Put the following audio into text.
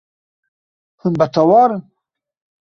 Hûn bextewar in?